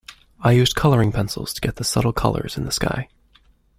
I used colouring pencils to get the subtle colours in the sky.